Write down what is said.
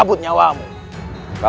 dan menangkan mereka